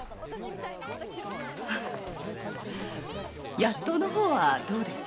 やっとうの方はどうです？